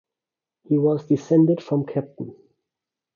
He was descended from Capt.